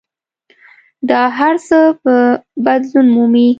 دا هر څه به بدلون مومي.